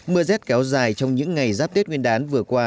mưa rét kéo dài trong những ngày giáp tết nguyên đán vừa qua